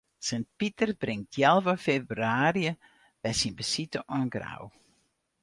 Sint Piter bringt healwei febrewaarje wer syn besite oan Grou.